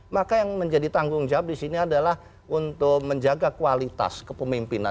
maka yang menjadi tanggung jawab di sini adalah untuk menjaga kualitas kepemimpinan